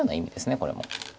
これも。